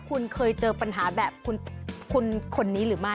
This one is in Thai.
คุณเคยเจอปัญหาแบบคุณคนนี้หรือไม่